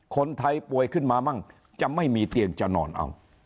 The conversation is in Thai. คนไทยป่วยขึ้นมามั่งจะไม่มีเตียงจะนอนเอา